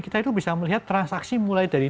kita itu bisa melihat transaksi mulai dari